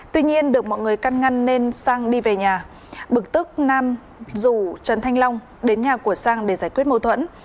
tuy nhiên được mọi người căn ngăn nên sang đi về nhà bực tức nam rủ trần thanh long đến nhà của sang để giải quyết mâu thuẫn